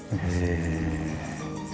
へえ。